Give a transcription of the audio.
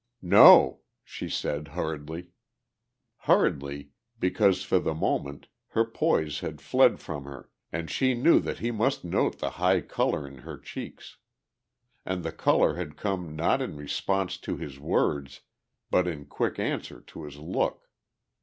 "No!" she said hurriedly. Hurriedly, because for the moment her poise had fled from her and she knew that he must note the high colour in her cheeks. And the colour had come not in response to his words but in quick answer to his look.